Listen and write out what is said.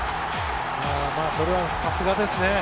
それはさすがですね。